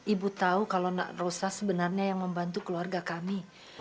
ibu tahu kalau nak rosa sebenarnya yang membantu keluarga kami